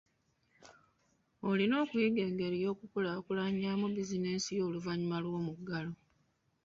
Olina okuyiga engeri y'okukulaakulanyaamu bizinensi yo oluvannyuma lw'omuggalo.